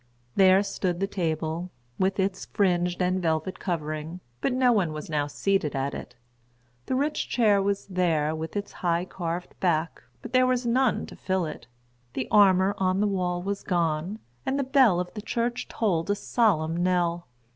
There stood the table, with its fringed and velvet covering; but no one was now seated at it. The rich chair was there, with its high carved[Pg 29] back, but there was none to fill it. The armor on the wall was gone, and the bell of the church tolled a solemn knell.